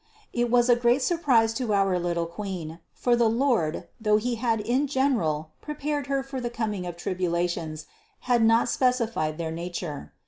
679. It was a great surprise to our little Queen ; for the Lord, though He had in general prepared Her for the coming of tribulations, had not specified their nature.